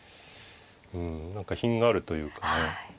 うん何か品があるというかね。